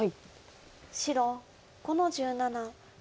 白５の十七。